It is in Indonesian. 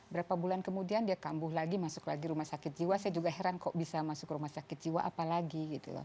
berapa bulan kemudian dia kambuh lagi masuk lagi rumah sakit jiwa saya juga heran kok bisa masuk ke rumah sakit jiwa apalagi